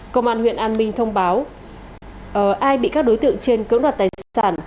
công an huyện an minh thông báo ai bị các đối tượng trên cưỡng đoạt tài sản